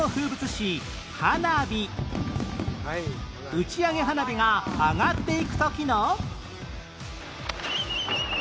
打ち上げ花火が上がっていく時の